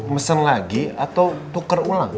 mesen lagi atau tuker ulang